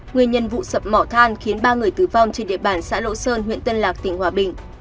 nguyên nhân vụ sập mỏ than khiến ba người tử vong trên địa bàn xã lộ sơn huyện tân lạc tỉnh hòa bình